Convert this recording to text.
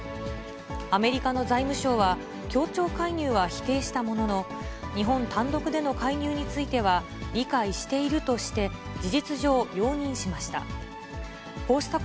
アメリカの財務省は協調介入は否定したものの、日本単独での介入については理解しているとして事実上、容認しました。